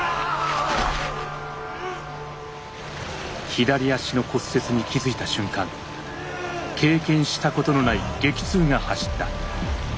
左足の骨折に気づいた瞬間経験したことのない激痛が走った。